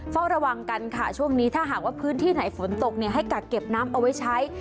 เฝ้าระวังกันค่ะช่วงนี้ถ้าหากว่าพื้นที่ไหนฝนตกให้กักเก็บน้ำเอาไว้ใช้